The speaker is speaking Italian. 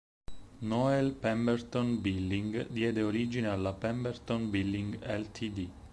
Noel Pemberton-Billing diede origine alla Pemberton-Billing, Ltd.